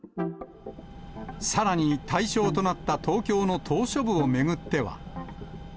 さらに対象となった東京の島しょ部を巡っては。